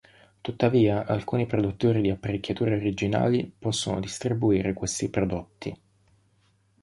Tuttavia, alcuni produttori di apparecchiature originali possono distribuire questi prodotti.